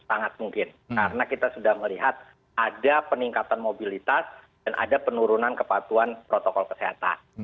sangat mungkin karena kita sudah melihat ada peningkatan mobilitas dan ada penurunan kepatuhan protokol kesehatan